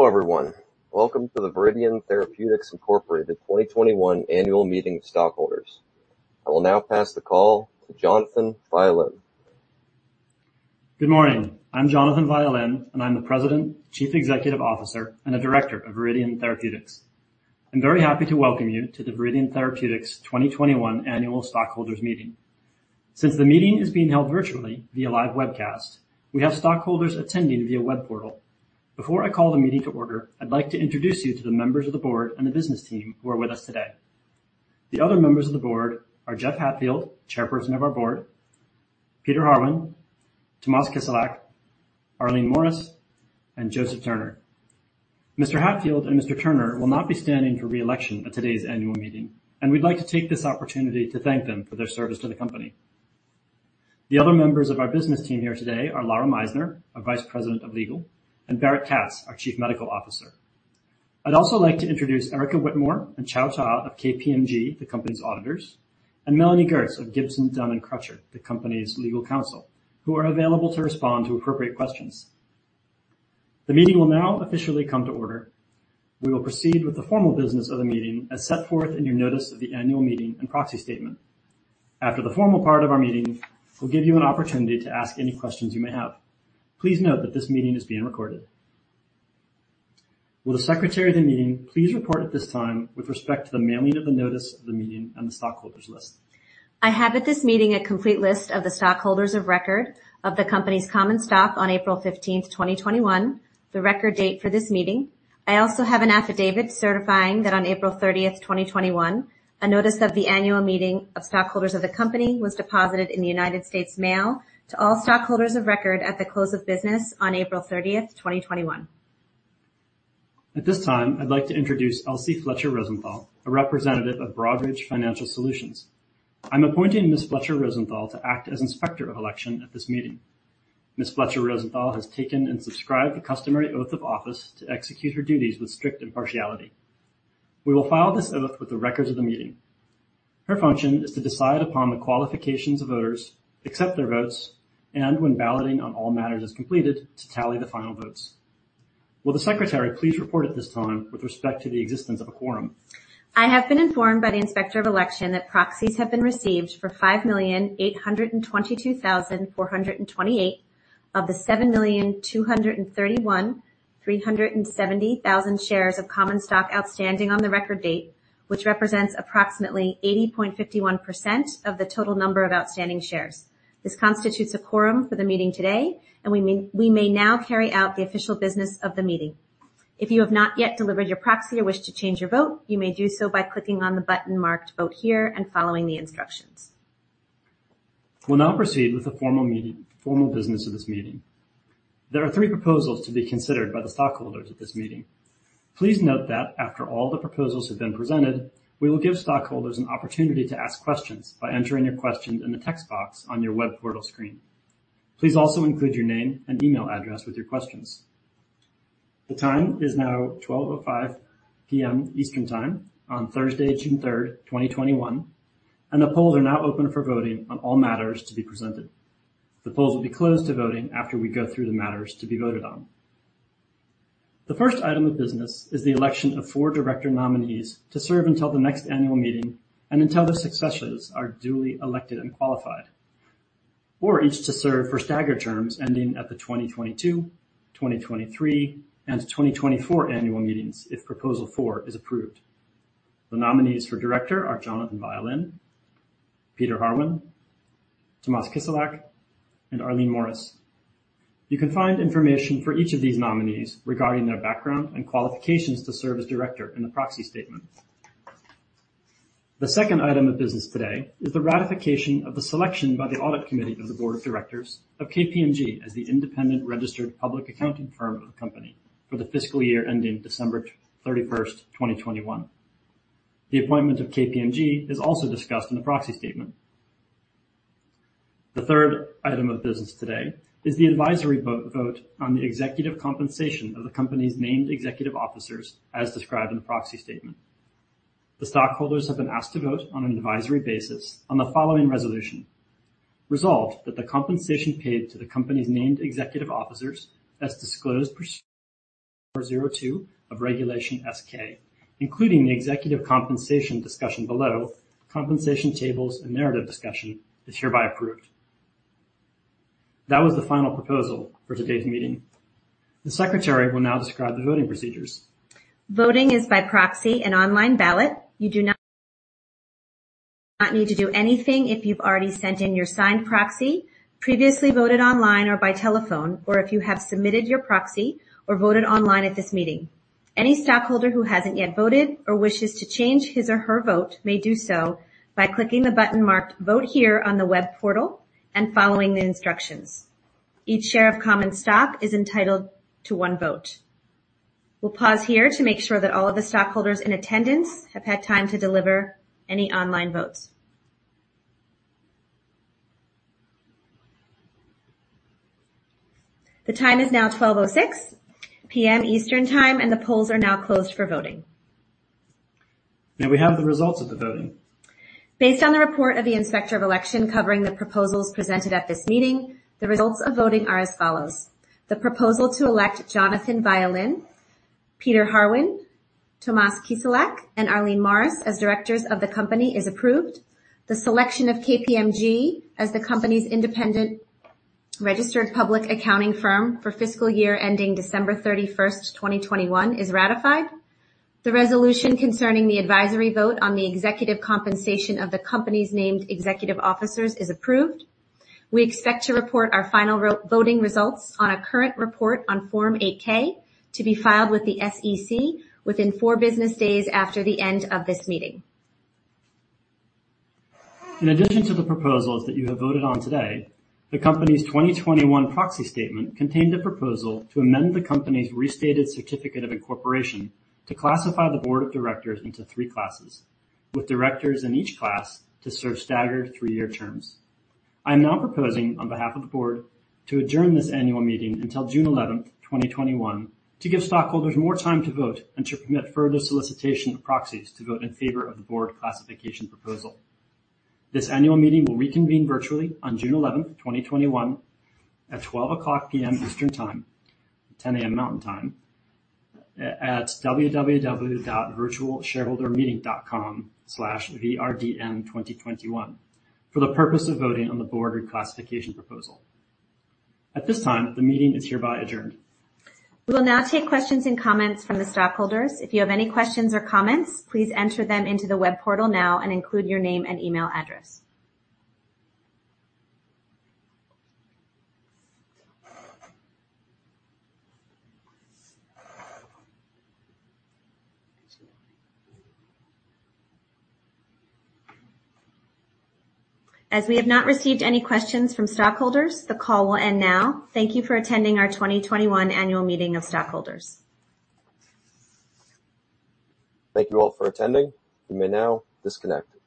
Hello, everyone. Welcome to the Viridian Therapeutics, Inc. 2021 Annual Meeting of Stockholders. I will now pass the call to Jonathan Violin. Good morning. I'm Jonathan Violin, and I'm the President, Chief Executive Officer, and a Director of Viridian Therapeutics. I'm very happy to welcome you to the Viridian Therapeutics 2021 Annual Stockholders Meeting. Since the meeting is being held virtually via live webcast, we have stockholders attending via web portal. Before I call the meeting to order, I'd like to introduce you to the members of the board and the business team who are with us today. The other members of the board are Jeff Hatfield, Chairperson of our board, Peter Harwin, Tomas Kiselak, Arlene Morris, and Joseph Turner. Mr. Hatfield and Mr. Turner will not be standing for re-election at today's annual meeting, and we'd like to take this opportunity to thank them for their service to the company. The other members of our business team here today are Lara Meisner, a Vice President of Legal, and Barrett Katz, our Chief Medical Officer. I'd also like to introduce Erika Whitmore and Chau Ta of KPMG, the company's auditors, and Melanie Gertz of Gibson, Dunn & Crutcher, the company's legal counsel, who are available to respond to appropriate questions. The meeting will now officially come to order. We will proceed with the formal business of the meeting as set forth in your notice of the annual meeting and proxy statement. After the formal part of our meeting, we'll give you an opportunity to ask any questions you may have. Please note that this meeting is being recorded. Will the secretary of the meeting please report at this time with respect to the mailing of the notice of the meeting and the stockholders list. I have at this meeting a complete list of the stockholders of record of the company's common stock on April 15th, 2021, the record date for this meeting. I also have an affidavit certifying that on April 30th, 2021, a notice of the annual meeting of stockholders of the company was deposited in the United States Mail to all stockholders of record at the close of business on April 30th, 2021. At this time, I'd like to introduce Elsie Fletcher Rosenthal, a representative of Broadridge Financial Solutions. I'm appointing Ms. Fletcher Rosenthal to act as Inspector of Election at this meeting. Ms. Fletcher Rosenthal has taken and subscribed the customary oath of office to execute her duties with strict impartiality. We will file this oath with the records of the meeting. Her function is to decide upon the qualifications of voters, accept their votes, and when balloting on all matters is completed, to tally the final votes. Will the secretary please report at this time with respect to the existence of a quorum. I have been informed by the Inspector of Election that proxies have been received for 5,822,428 of the 7,231,370 shares of common stock outstanding on the record date, which represents approximately 80.51% of the total number of outstanding shares. This constitutes a quorum for the meeting today, and we may now carry out the official business of the meeting. If you have not yet delivered your proxy or wish to change your vote, you may do so by clicking on the button marked Vote Here and following the instructions. We'll now proceed with the formal business of this meeting. There are three proposals to be considered by the stockholders at this meeting. Please note that after all the proposals have been presented, we will give stockholders an opportunity to ask questions by entering a question in the text box on your web portal screen. Please also include your name and email address with your questions. The time is now 12:05 PM Eastern Time on Thursday, June 3rd, 2021, and the polls are now open for voting on all matters to be presented. The polls will be closed to voting after we go through the matters to be voted on. The first item of business is the election of four director nominees to serve until the next annual meeting and until their successors are duly elected and qualified. Four each to serve for staggered terms ending at the 2022, 2023, and 2024 annual meetings if Proposal four is approved. The nominees for director are Jonathan Violin, Peter Harwin, Tomas Kiselak, and Arlene Morris. You can find information for each of these nominees regarding their background and qualifications to serve as director in the proxy statement. The second item of business today is the ratification of the selection by the Audit Committee of the Board of Directors of KPMG as the independent registered public accounting firm of the company for the fiscal year ending December 31st, 2021. The appointment of KPMG is also discussed in the proxy statement. The third item of business today is the advisory vote on the executive compensation of the company's named executive officers, as described in the proxy statement. The stockholders have been asked to vote on an advisory basis on the following resolution. Resolved, that the compensation paid to the company's named executive officers, as disclosed pursuant to 402 of Regulation S-K, including the executive compensation discussion below compensation tables and narrative discussion, is hereby approved. That was the final proposal for today's meeting. The secretary will now describe the voting procedures. Voting is by proxy and online ballot. You do not need to do anything if you've already sent in your signed proxy, previously voted online or by telephone, or if you have submitted your proxy or voted online at this meeting. Any stockholder who hasn't yet voted or wishes to change his or her vote may do so by clicking the button marked Vote Here on the web portal and following the instructions. Each share of common stock is entitled to one vote. We'll pause here to make sure that all of the stockholders in attendance have had time to deliver any online votes. The time is now 12:06 P.M. Eastern Time, and the polls are now closed for voting Do we have the results of the voting? Based on the report of the Inspector of Election covering the proposals presented at this meeting, the results of voting are as follows. The proposal to elect Jonathan Violin, Peter Harwin, Tomas Kiselak, and Arlene Morris as directors of the company is approved. The selection of KPMG as the company's independent registered public accounting firm for fiscal year ending December 31st, 2021, is ratified. The resolution concerning the advisory vote on the executive compensation of the company's named executive officers is approved. We expect to report our final voting results on a current report on Form 8-K to be filed with the SEC within four business days after the end of this meeting. In addition to the proposals that you have voted on today, the company's 2021 proxy statement contained a proposal to amend the company's restated certificate of incorporation to classify the board of directors into 3 classes, with directors in each class to serve staggered three-year terms. I'm now proposing on behalf of the board to adjourn this annual meeting until June 11th, 2021, to give stockholders more time to vote and to permit further solicitation of proxies to vote in favor of the board classification proposal. This annual meeting will reconvene virtually on June 11th, 2021, at 12:00 P.M. Eastern Time, 10:00 A.M. Mountain Time at www.virtualshareholdermeeting.com/vrdn2021 for the purpose of voting on the board reclassification proposal. At this time, the meeting is hereby adjourned. We will now take questions and comments from the stockholders. If you have any questions or comments, please enter them into the web portal now and include your name and email address. As we have not received any questions from stockholders, the call will end now. Thank you for attending our 2021 Annual Meeting of Stockholders. Thank you all for attending. You may now disconnect.